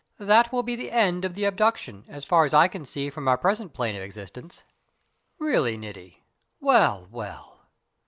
That will be the end of the abduction as far as I can see from our present plane of existence." "Really, Niti well, well.